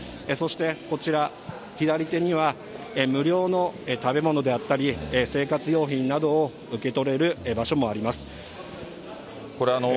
そして、こちら左手には、無料の食べ物であったり、生活用品などを受け取れる場所もあります。